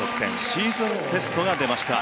シーズンベストが出ました。